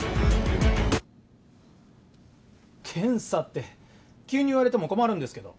検査って急に言われても困るんですけど。